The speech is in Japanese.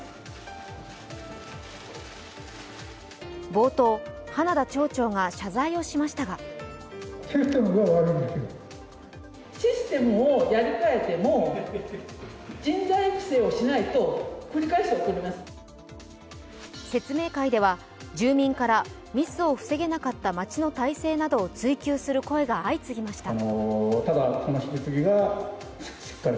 冒頭、花田町長が謝罪をしましたが説明会では住民からミスを防げなかった町の体制などを追及する声が相次ぎました。